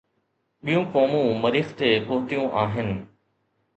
ٻيون قومون مريخ تي پهتيون آهن.